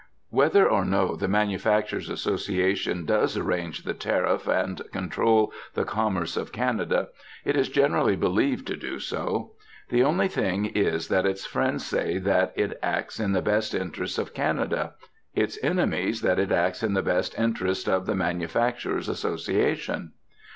Whether or no the Manufacturers' Association does arrange the Tariff and control the commerce of Canada, it is generally believed to do so. The only thing is that its friends say that it acts in the best interests of Canada, its enemies that it acts in the best interests of the Manufacturers' Association.